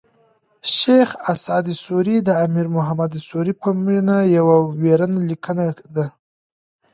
شېخ اسعد سوري د امیر محمد سوري پر مړینه یوه ویرنه لیکلې ده.